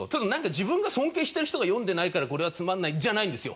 自分が尊敬してる人が読んでないからこれはつまんないじゃないんですよ。